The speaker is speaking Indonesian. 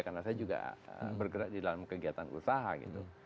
karena saya juga bergerak di dalam kegiatan usaha gitu